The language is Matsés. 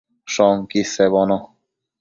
Shoquid sebono